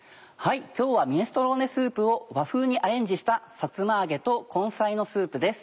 今日はミネストローネスープを和風にアレンジしたさつま揚げと根菜のスープです。